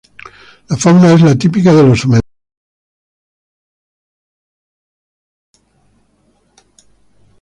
La fauna es la típica de los humedales.